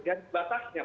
gaji batasnya pak